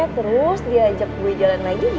terus diajak gue jalan lagi gimana